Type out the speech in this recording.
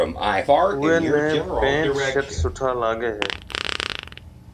اوئي نيَ پينٽ شرٽ سُٺا لاگي ھيََََ